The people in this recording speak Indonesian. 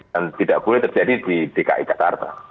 tidak boleh terjadi di dki jakarta